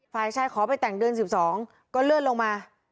ฝ่ายชายขอไปแต่งเดือน๑๒ก็เลื่อนลงมา